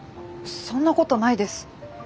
そんなことないです。